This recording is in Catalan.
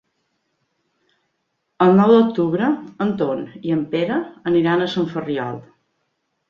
El nou d'octubre en Ton i en Pere aniran a Sant Ferriol.